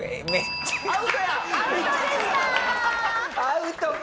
アウトや！